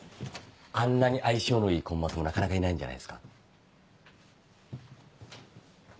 あんなに相性のいいコンマスもなかなかいないんじゃないですか。